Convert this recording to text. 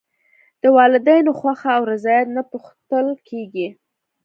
د والدینو خوښه او رضایت نه پوښتل کېږي.